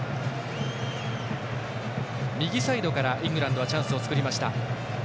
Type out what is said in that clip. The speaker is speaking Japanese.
右サイドからイングランドチャンスを作りました。